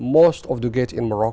mọi cửa trong màu bắc